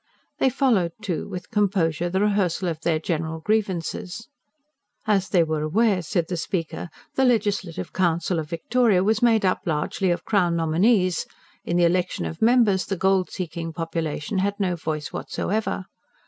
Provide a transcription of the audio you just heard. They followed, too, with composure, the rehearsal of their general grievances. As they were aware, said the speaker, the Legislative Council of Victoria was made up largely of Crown nominees; in the election of members the gold seeking population had no voice whatsoever.